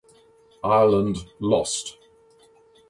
Ireland lost.